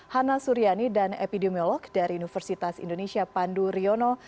hana suryani dan epidemiolog dari universitas indonesia pandu riono